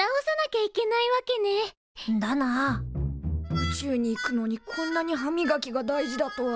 宇宙に行くのにこんなに歯みがきが大事だとは。